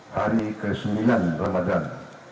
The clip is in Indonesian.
hari ke sembilan ramadan